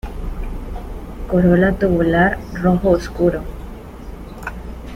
Corola tubular, rojo oscuro.